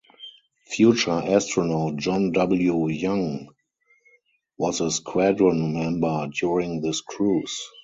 Future astronaut John W. Young was a squadron member during this cruise.